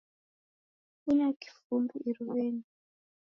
Funya kifumbi iruw'enyi